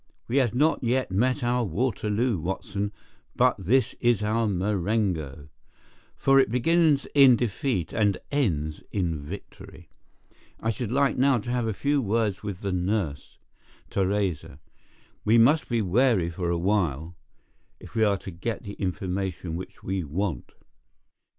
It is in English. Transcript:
We have not yet met our Waterloo, Watson, but this is our Marengo, for it begins in defeat and ends in victory. I should like now to have a few words with the nurse, Theresa. We must be wary for a while, if we are to get the information which we want."